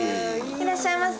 いらっしゃいませ。